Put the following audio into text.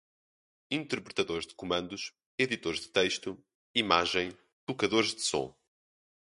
interpretadores de comandos, editores de texto, imagem, tocadores de som